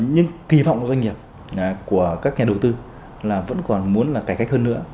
nhưng kỳ vọng của doanh nghiệp của các nhà đầu tư là vẫn còn muốn là cải cách hơn nữa